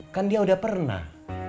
kan dia udah pernah